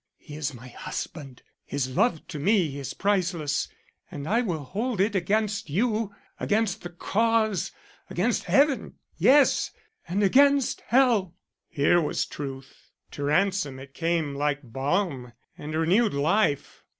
He is my husband his love to me is priceless, and I will hold it against you against the Cause against Heaven yes, and against Hell." Here was truth. To Ransom it came like balm and a renewed life.